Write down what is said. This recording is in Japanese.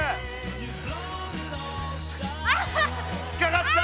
引っ掛かってた！